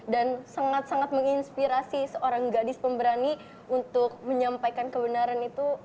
dan sangat sangat menginspirasi seorang gadis pemberani untuk menyampaikan kebenaran itu